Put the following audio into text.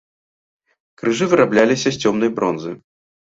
Крыжы вырабляліся з цёмнай бронзы.